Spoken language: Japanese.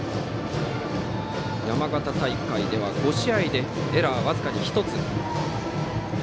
山形大会では５試合でエラー僅かに１つ。